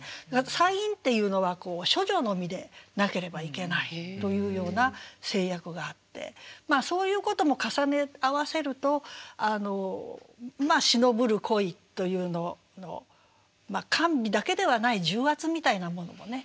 斎院っていうのは処女の身でなければいけないというような制約があってそういうことも重ね合わせるとまあ忍ぶる恋というのの甘美だけではない重圧みたいなものもね